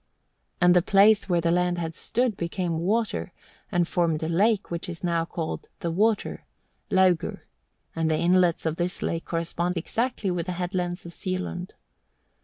And the place where the land had stood became water, and formed a lake which is now called "The Water" (Laugur), and the inlets of this lake correspond exactly with the headlands of Sealund.